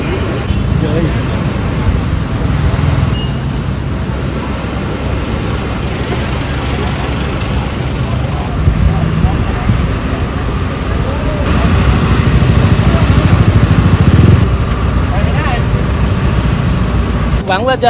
สุดท้ายเท่าไหร่